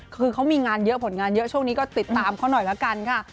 คือเขามีงานเยอะผลงานเยอะช่วงนี้ก็ติดตามเขาหน่อยละกันค่ะ